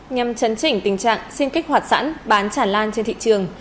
nhằm chấn chỉnh tình trạng xin kích hoạt sẵn bán chản lan trên thị trường